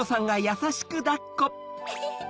ウフフ！